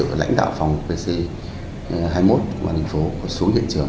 các lực lượng phòng hình sự lãnh đạo phòng pc hai mươi một quận hình số xuống hiện trường